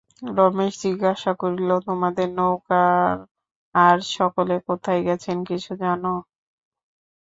রমেশ জিজ্ঞাসা করিল, তোমাদের নৌকার আর-সকলে কোথায় গেছেন, কিছু জান?